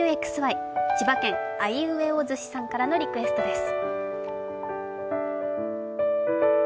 千葉県、あいうえお寿司さんからのリクエストです。